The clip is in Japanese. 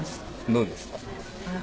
どうですか？